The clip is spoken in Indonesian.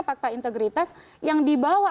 fakta integritas yang dibawa